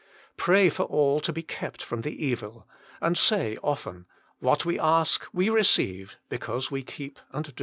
Pray for all to be kept from the evil. And say often, "What we ask, we receive, because we keep and do."